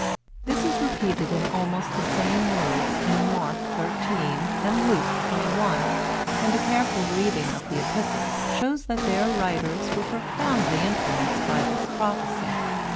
This is repeated in almost the same words in Mark xiii., and Luke xxi., and a careful reading of the Epistles shows that their writers were profoundly influenced by this prophecy.